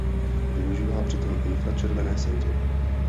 Využívá při tom infračervené senzory.